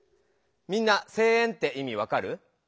みんな「声援」っていみ分かる？